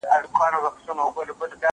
که وخت وي اوبه پاکوم